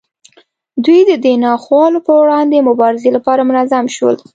دوی د دې ناخوالو پر وړاندې مبارزې لپاره منظم شول.